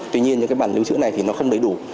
tuy nhiên những cái bản lưu trữ này thì nó không đầy đủ